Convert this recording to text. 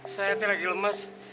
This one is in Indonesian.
saya tadi lagi lemes